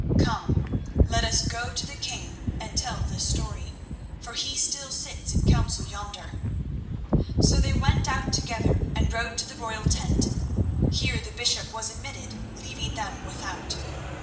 Come; let us go to the king, and tell this story, for he still sits in council yonder." So they went out together and rode to the royal tent. Here the bishop was admitted, leaving them without.